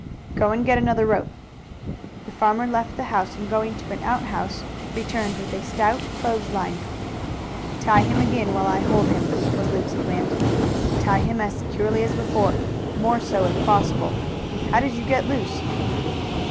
"Go and get another rope." The farmer left the house, and going to an outhouse returned with a stout clothes line. "Tie him again while I hold him," was Luke's command. "Tie him as securely as before more so, if possible. How did you get loose?"